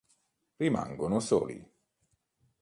Rimangono soli.